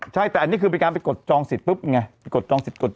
ใช้แต่อันนี้คือไปการกดจองสิทธิ์ครึ่งเนี่ย